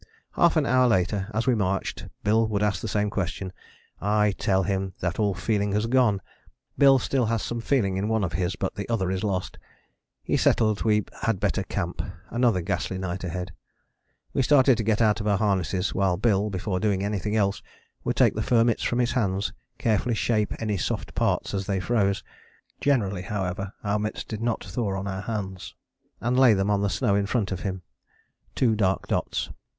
Half an hour later, as we marched, Bill would ask the same question. I tell him that all feeling has gone: Bill still has some feeling in one of his but the other is lost. He settled we had better camp: another ghastly night ahead. We started to get out of our harnesses, while Bill, before doing anything else, would take the fur mitts from his hands, carefully shape any soft parts as they froze (generally, however, our mitts did not thaw on our hands), and lay them on the snow in front of him two dark dots.